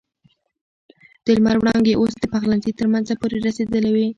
د لمر وړانګې اوس د پخلنځي تر منځه پورې رسېدلې وې.